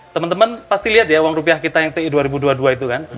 teman teman pasti lihat ya uang rupiah kita yang ti dua ribu dua puluh dua itu kan